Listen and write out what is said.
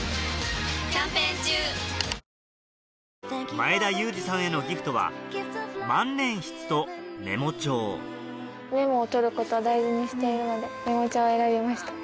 前田裕二さんへのギフトは万年筆とメモ帳メモを取ることを大事にしているのでメモ帳を選びました。